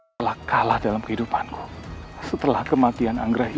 telah kalah dalam kehidupanku setelah kematian anggrahi